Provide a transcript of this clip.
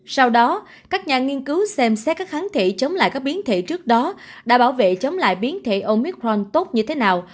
sau đó các nhà nghiên cứu xem xét các kháng thể chống lại các biến thể trước đó đã bảo vệ chống lại biến thể omicron tốt như thế nào